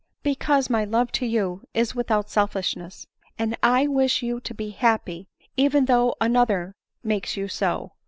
" Because my love to you is without selfishness, and I wish you to be happy even though another makes you so.